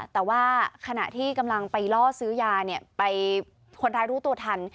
แต่ว่าขณะที่กำลังไปล่อซื้อยาคนร้ายรู้ตัวทัน